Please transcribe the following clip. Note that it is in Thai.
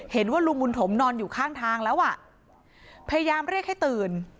เห็นว่าลุงบุญถมนอนอยู่ข้างทางแล้วอ่ะพยายามเรียกให้ตื่น